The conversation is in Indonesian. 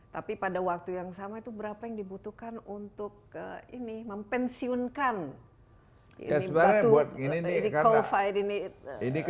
tapi pada waktu yang sama itu berapa yang dibutuhkan untuk mempensiunkan batu nicofid ini